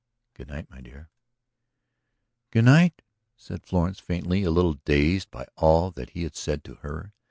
"Good night, my dear." "Good night," said Florence faintly, a little dazed by all that he had said to her.